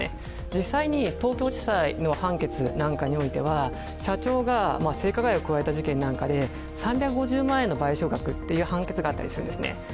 実際に東京地裁の判決においては社長が性加害を加えた事件において３５０万円の賠償額の判決額っていうのがあったりするんですね。